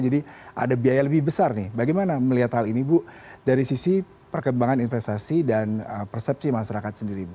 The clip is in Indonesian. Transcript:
jadi ada biaya lebih besar nih bagaimana melihat hal ini bu dari sisi perkembangan investasi dan persepsi masyarakat sendiri bu